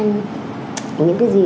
những cái gì